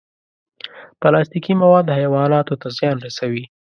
پلاستيکي مواد حیواناتو ته زیان رسوي.